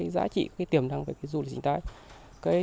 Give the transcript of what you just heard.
giá trị tiềm năng về du lịch sinh thái